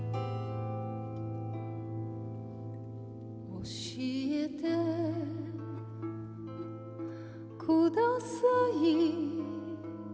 「おしえてください」